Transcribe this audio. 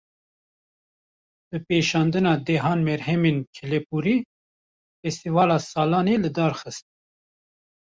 Bi pêşandana dehan berhemên kelepûrî, festîvala salane li dar xist